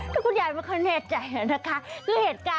แต่คุณยายไม่แน่ใจเหรอนี่นะคะ